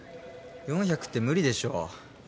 ４００って無理でしょ。